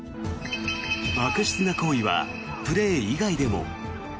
悪質な行為はプレー以外でも。